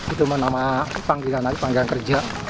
itu nama panggilan panggilan kerja